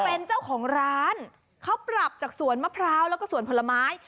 เป็นเจ้าของร้านเขาปรับจากสวนมะพร้าวแล้วก็สวนผลไม้